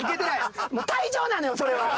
もう退場なのよそれは。